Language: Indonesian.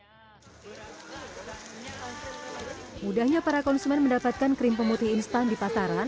mudahnya para konsumen mendapatkan krim pemutih instan di pasaran